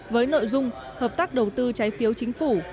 với nội dung hợp tác đầu tư trái phiếu chính phủ